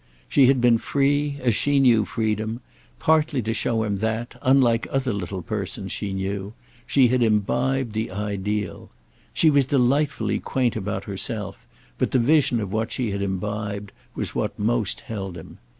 She had been free, as she knew freedom, partly to show him that, unlike other little persons she knew, she had imbibed that ideal. She was delightfully quaint about herself, but the vision of what she had imbibed was what most held him.